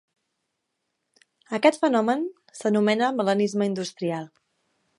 Aquest fenomen s'anomena melanisme industrial.